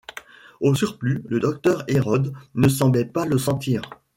Au surplus, le docteur Hérode ne semblait pas le sentir.